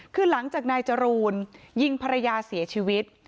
คือหลังจากนายจรูนยิงภรรยาเสียชีวิต